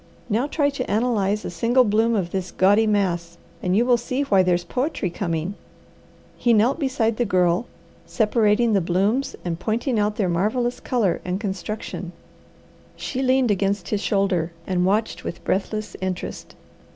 Now try to analyze a single bloom of this gaudy mass, and you will see why there's poetry coming." He knelt beside the Girl, separating the blooms and pointing out their marvellous colour and construction. She leaned against his shoulder, and watched with breathless interest.